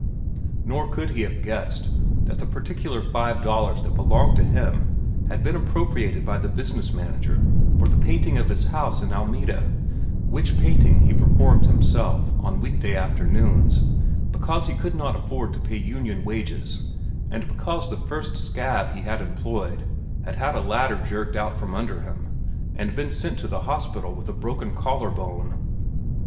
Nor could he have guessed that the particular five dollars that belonged to him had been appropriated by the business manager for the painting of his house in Alameda, which painting he performed himself, on week day afternoons, because he could not afford to pay union wages and because the first scab he had employed had had a ladder jerked out from under him and been sent to the hospital with a broken collar bone.